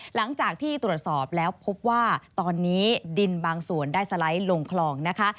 หลังจากที่ตรวจสอบแล้วพบว่าตอนนี้ดินบางส่วนได้สไลด์ลงคลองนะคะ